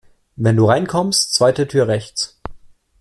Wenn du reinkommst, zweite Tür rechts.